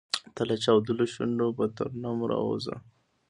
تۀ لۀ چاودلو شونډو پۀ ترنم راووځه !